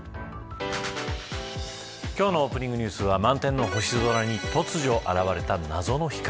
今日のオープニングニュースは満天の星空に突如、現れた謎の光。